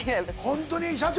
ホントに社長